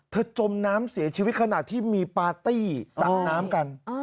จมน้ำเสียชีวิตขณะที่มีปาร์ตี้สั่งน้ำกัน